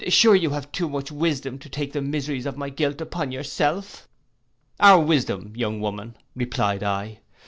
Sure you have too much wisdom to take the miseries of my guilt upon yourself.'—'Our wisdom, young woman,' replied I.